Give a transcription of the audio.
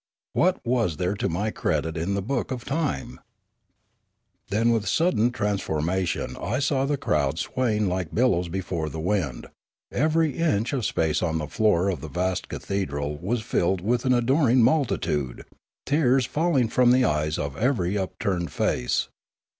What was there to my credit in the book of time ? Then with sudden transformation I saw the crowd swaying like billows before the wind; every inch of space on the floor of the vast cathedral was filled with an adoring multitude, tears falling from the eyes of every up turned face.